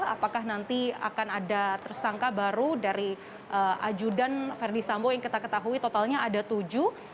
apakah nanti akan ada tersangka baru dari ajudan verdi sambo yang kita ketahui totalnya ada tujuh